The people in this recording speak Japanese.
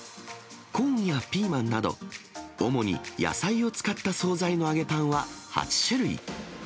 コーンやピーマンなど、主に野菜を使った総菜の揚げパンは８種類。